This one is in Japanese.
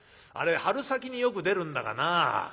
あれ春先によく出るんだがな。